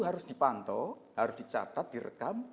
harus dipantau harus dicatat direkam